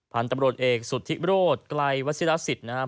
พันธุ์ตำรวจเอกสุทธิโรศไกลวัสดาสิทธิ์นะฮะ